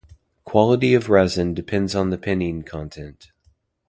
Quality of resin depends on the pinene content.